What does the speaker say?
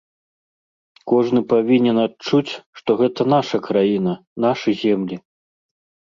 Кожны павінен адчуць, што гэта наша краіна, нашы землі.